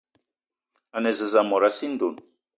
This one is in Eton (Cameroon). A ne zeze mot a sii ndonn